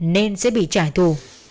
nên sẽ bị trải thù